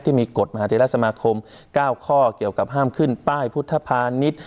ที่มีกฎมหาเทราสมาคม๙ข้อเกี่ยวกับห้ามขึ้นป้ายพุทธภานิษฐ์